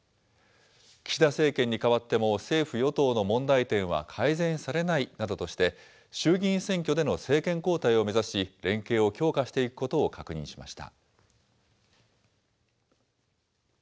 岸田政権に代わっても、政府・与党の問題点は改善されないなどとして、衆議院選挙での政権交代を目指し、連携を強化していくことを確認しました。